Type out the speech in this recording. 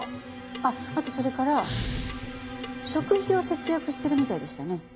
あっあとそれから食費を節約してるみたいでしたね。